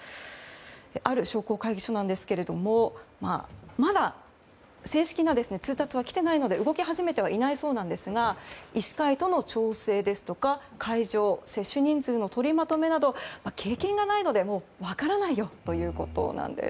ある商工会議所なんですがまだ正式な通達は来ていないので動き始めてはいないそうなんですが医師会との調整ですとか会場、接種人数のとりまとめなど経験がないので分からないよということなんです。